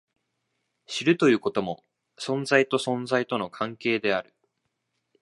知るということも、存在と存在との関係である。